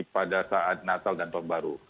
pada saat natal dan tahun baru